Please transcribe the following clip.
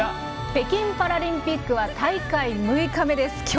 北京パラリンピックは大会６日目です。